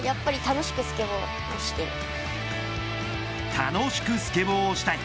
楽しくスケボーをしたい。